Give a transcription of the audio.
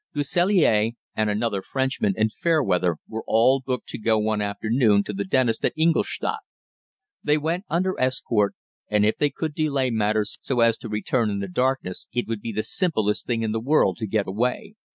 Du Sellier and another Frenchman and Fairweather were all booked to go one afternoon to the dentist at Ingolstadt. They went under escort, and if they could delay matters so as to return in the darkness it would be the simplest thing in the world to get away.